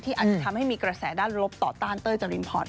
อาจจะทำให้มีกระแสด้านลบต่อต้านเต้ยจรินพร